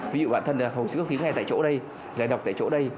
ví dụ bản thân là hồ sứ cơ khí ngay tại chỗ đây giải độc tại chỗ đây